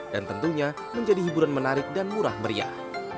dan tentunya menjadi hiburan menarik dan murah meriah